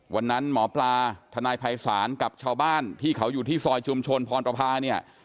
หมอปลาทนายภัยศาลกับชาวบ้านที่เขาอยู่ที่ซอยชุมชนพรประพาเนี่ย